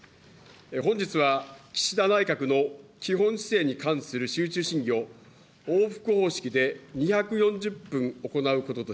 本日は岸田内閣の基本姿勢に関する集中審議を往復方式で２４０分行うこととし。